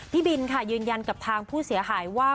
พี่บินค่ะยืนยันกับทางผู้เสียหายว่า